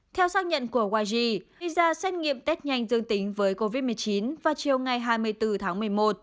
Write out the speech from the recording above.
theo xác nhận của waji visa xét nghiệm test nhanh dương tính với covid một mươi chín vào chiều ngày hai mươi bốn tháng một mươi một